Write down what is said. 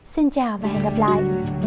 xin chào và hẹn gặp lại